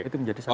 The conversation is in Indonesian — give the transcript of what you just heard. itu menjadi satu